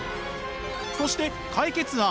そして解決案